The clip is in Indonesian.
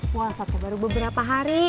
puasa tuh baru beberapa hari